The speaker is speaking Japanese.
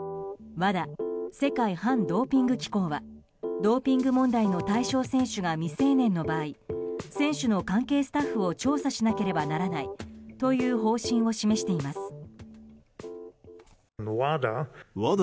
ＷＡＤＡ・世界反ドーピング機構はドーピング問題の対象選手が未成年の場合選手の関係スタッフを調査しなければならないという方針を示しています。